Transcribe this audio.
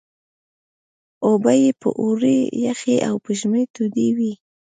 اوبه یې په اوړي یخې او په ژمي تودې وې.